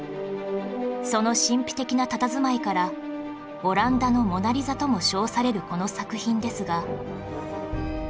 その神秘的なたたずまいから「オランダの『モナ・リザ』」とも称されるこの作品ですが